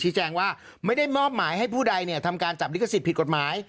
แจ้งว่าไม่ได้มอบหมายให้ผู้ใดทำการจับลิขสิทธิ์ผิดกฎหมาย